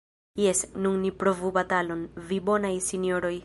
Jes, nun ni provu batalon, vi bonaj sinjoroj!